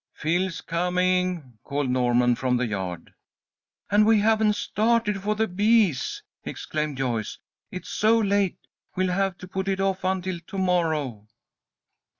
"Phil's coming," called Norman, from the yard. "And we haven't started for the bees!" exclaimed Joyce. "It's so late, we'll have to put it off until to morrow."